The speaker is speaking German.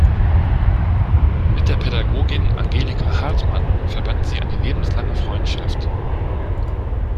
Mit der Pädagogin Angelika Hartmann verband sie eine lebenslange Freundschaft.